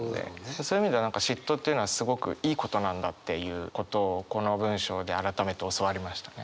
そういう意味で嫉妬っていうのはすごくいいことなんだっていうことをこの文章で改めて教わりましたね。